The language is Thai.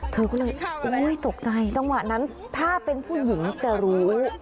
เธอก็เลยตกใจจังหวะนั้นถ้าเป็นผู้หญิงจะรู้